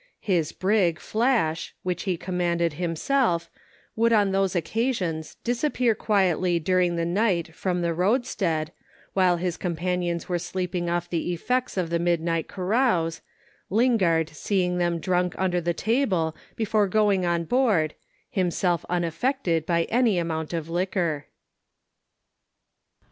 His brig Flash, which he commanded himself, would on those occasions disappear quietly during the night from the roadstead while his companions were sleeping off the effects of the midnight carouse, Lingard seeing them drunk under the table before going on board, himself unaffected by any amount of liquor.